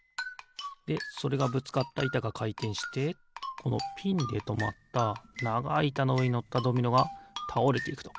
でそれがぶつかったいたがかいてんしてこのピンでとまったながいいたのうえにのったドミノがたおれていくと。